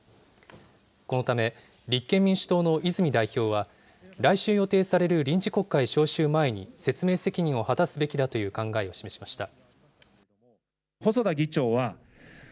このため、立憲民主党の泉代表は、来週予定される臨時国会召集前に、説明責任を果たすべきだという考えを示しました。